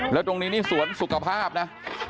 แล้วตรงนี้นี่สวนสุขภาพนะ